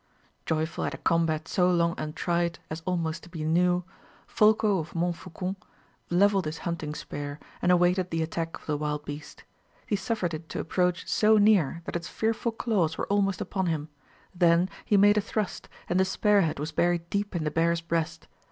Joyful at a combat so long untried as almost to be new, Folko of Montfaucon levelled his hunting spear, and awaited the attack of the wild beast. He suffered it to approach so near that its fearful claws were almost upon him; then he made a thrust, and the spear head was buried deep in the bear's breast.